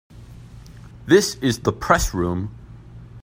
This is the Press Room.